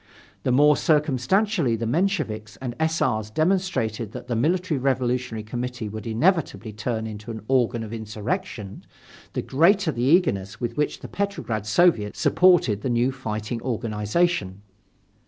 The more circumstantially the Mensheviks and S. R.'s demonstrated that the Military Revolutionary Committee would inevitably turn into an organ of insurrection, the greater the eagerness with which the Petrograd Soviet supported the new fighting organization.